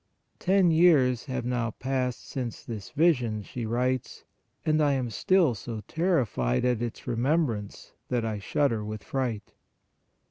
" Ten years have now passed since this vision," she writes, " and I am still so terrified at its remembrance that I shudder with fright."